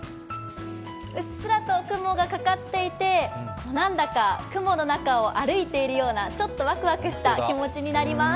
うっすらと雲がかかっていて、何だか雲の中を歩いているようなちょっとワクワクした気持ちになります。